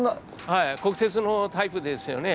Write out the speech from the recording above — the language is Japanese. はい国鉄のタイプですよね。